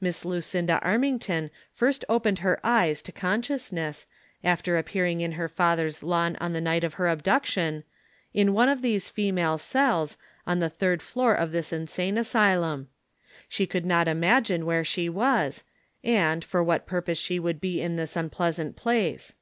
Miss Lucinda Armington first opened her ej^es to con sciousness, after appearing in her father's lawn on the night of her abduction, in one of these female cells, on the third floor of this insane asylum. She could not imagine where she was, and for what purpose slie would be in this unpleasant place.